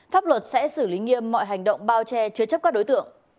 pháp luật sẽ xử lý nghiêm mọi hành động bao che chứa chấp các đối tượng